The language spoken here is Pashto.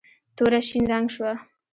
توره شین رنګ شوه.